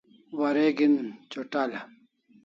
Wareg'in c'ota'la